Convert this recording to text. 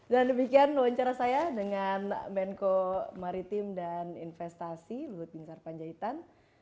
dan demikian wawancara saya dengan menko maritim dan investasi bupati ntar panjaitan